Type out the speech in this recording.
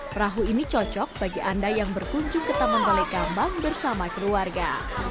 perahu ini cocok bagi anda yang berkunjung ke taman balai kambang bersama keluarga